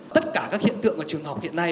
tất cả các hiện tượng của trường học hiện nay